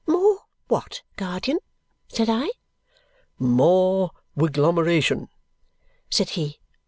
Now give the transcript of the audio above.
"More what, guardian?" said I. "More wiglomeration," said he.